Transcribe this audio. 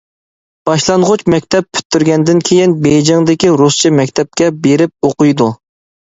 باشلانغۇچ مەكتەپ پۈتتۈرگەندىن كېيىن، بېيجىڭدىكى رۇسچە مەكتەپكە بېرىپ ئوقۇيدۇ.